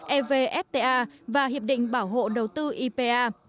evfta và hiệp định bảo hộ đầu tư ipa